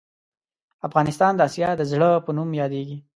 افغانستان د اسیا د زړه په نوم یادیږې